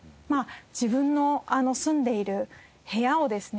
自分の住んでいる部屋をですね